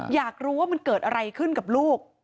อยากรู้ว่ามันเกิดอะไรขึ้นกับลูก